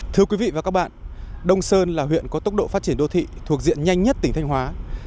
thưa quý vị và các bạn đông sơn là huyện có tốc độ phát triển đô thị thuộc diện nhanh nhất tỉnh thanh hóa